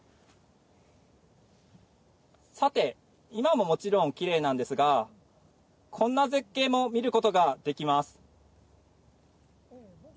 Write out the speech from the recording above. さて、今ももちろんきれいなんですがこんな絶景も見ることができます。